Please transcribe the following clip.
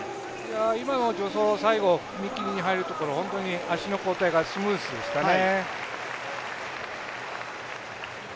今の助走、最後踏み切りに入るところ、足の交代がスムースでしたね。